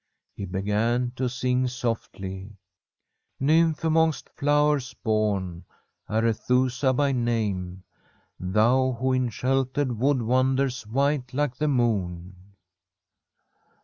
He began to sing softly: ' NyiDfihi amonKit flowers bom, Arethusa by name, Tliou who In sheltered wood wanders, white like the incKm.'